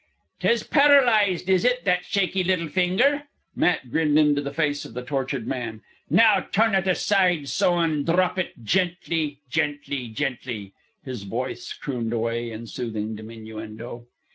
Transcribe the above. "'Tis paralyzed, is it, that shaky little finger?" Matt grinned into the face of the tortured man. "Now turn it aside, so, an' drop it, gently ... gently ... gently." His voice crooned away in soothing diminuendo.